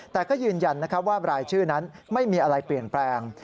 แต่ก็ยืนยันว่ารายชื่อนั้นไม่มีอะไรเปลี่ยนแปลง